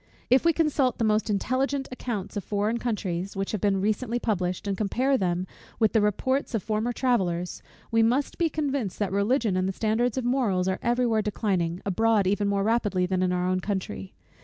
If we consult the most intelligent accounts of foreign countries, which have been recently published, and compare them with the reports of former travellers; we must be convinced, that Religion and the standard of morals are every where declining, abroad even more rapidly than in our own country.